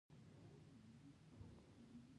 زما د پلار سیوري ،